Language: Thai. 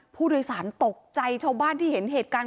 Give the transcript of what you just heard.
ผู้โดยสารตกใจชาวบ้านที่เห็นเหตุการณ์